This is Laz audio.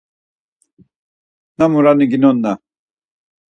Namunari ginonna.